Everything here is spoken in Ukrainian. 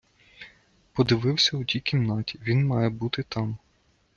Подивися у тій кімнаті, він має бути там.